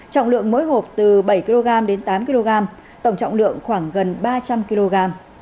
trọng lượng mỗi hộp từ bảy kg đến tám kg tổng trọng lượng khoảng gần ba trăm linh kg